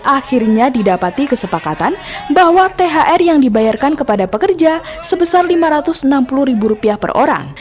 akhirnya didapati kesepakatan bahwa thr yang dibayarkan kepada pekerja sebesar lima ratus enam puluh ribu rupiah per orang